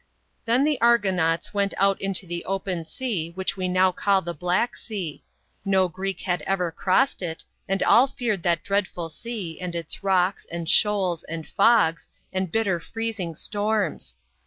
" Then the Argonauts went out into the open sea, which we now call the Black Sea. No Greek had ever crossed it, and all feared that dread ful sea, and its rocks, and shoals, and fogs, and bitter freezing storms.